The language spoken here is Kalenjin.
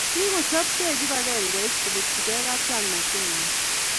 Kikochobkei kibangengeit kobirchikei katiaknatet ngwai